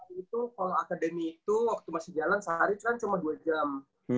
itu kalau akademi itu waktu masih jalan sehari itu kan cuma dua jam